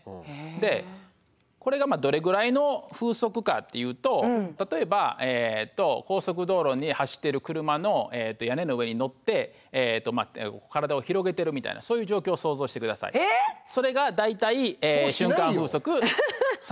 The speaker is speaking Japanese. でこれがどれぐらいの風速かっていうと例えば高速道路に走ってる車の屋根の上に乗って体を広げてるみたいなそういう状況を想像してください。え！？それが大体瞬間風速３０ｍ。